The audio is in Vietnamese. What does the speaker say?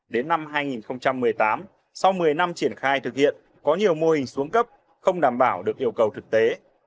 đến năm hai nghìn một mươi tám sau một mươi năm triển khai thực hiện có nhiều mô hình xuống cấp không đảm bảo được yêu cầu thực tế